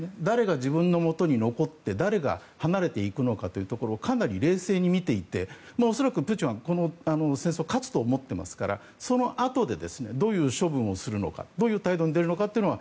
誰が自分のもとに残って、誰が離れていくのかというところをかなり冷静に見ていて恐らくプーチンはこの戦争、勝つと思っていますからそのあとでどういう処分をするのかどういう態度に出るのか